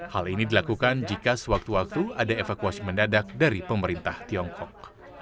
hal ini dilakukan jika sewaktu waktu ada evakuasi mendadak dari pemerintah tiongkok